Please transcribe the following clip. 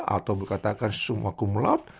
atau berkatakan semua cumulat